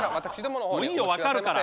もういいよ分かるから。